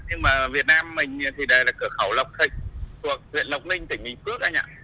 nhưng mà việt nam mình thì đây là cửa khẩu lộc thịnh thuộc huyện lộc ninh tỉnh bình phước anh ạ